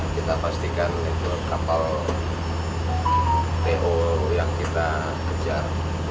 kita pastikan itu kapal po yang kita kejar